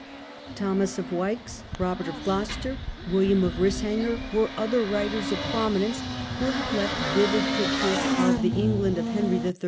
Thomas of Wykes, Robert of Gloucester, William of Rishanger, were other writers of eminence who have left vivid pictures of the England of Henry III.